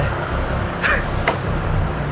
nggak ada apa apa